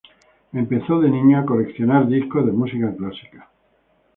Empezó de niño a coleccionar discos de música clásica.